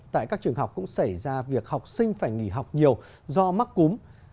tại các trường học cũng xảy ra việc học sinh phải nghỉ học nhiều do mắc cúm